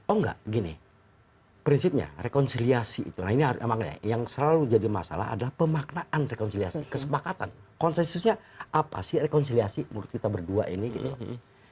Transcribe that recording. oh enggak gini prinsipnya rekonsiliasi itu nah ini makanya yang selalu jadi masalah adalah pemaknaan rekonsiliasi kesepakatan konsensusnya apa sih rekonsiliasi menurut kita berdua ini gitu loh